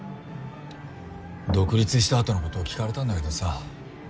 独立したあとのことを聞かれたんだけどさ